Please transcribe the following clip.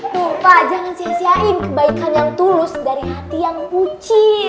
tuh pak jangan sia siain kebaikan yang tulus dari hati yang kucing